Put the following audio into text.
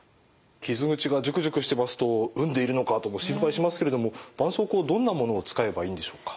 傷口がジュクジュクしてますと膿んでいるのかとも心配しますけれどもばんそうこうはどんなものを使えばいいんでしょうか？